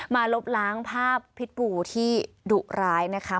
ลบล้างภาพพิษบูที่ดุร้ายนะคะ